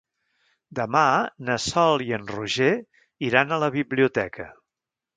Demà na Sol i en Roger iran a la biblioteca.